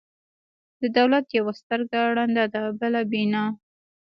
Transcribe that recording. د دولت یوه سترګه ړنده ده، بله بینا.